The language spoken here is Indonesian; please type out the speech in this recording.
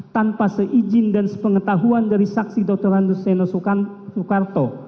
tanpa seizin dan sepengetahuan dari saksi dr andruseno soekarto